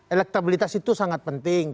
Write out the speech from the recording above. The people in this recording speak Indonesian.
elektabilitas itu sangat penting